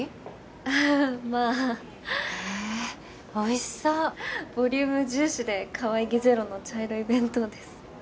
ああまあへおいしそうボリューム重視でかわいげゼロの茶色い弁当です